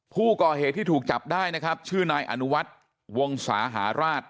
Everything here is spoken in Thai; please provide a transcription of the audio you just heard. ผู้ก่อเหตุที่ถูกจับได้นะครับชื่อนายอนุวัฒน์วงศาหาราช